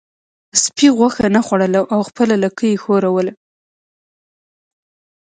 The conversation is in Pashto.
سپي غوښه نه خوړله او خپله لکۍ یې ښوروله.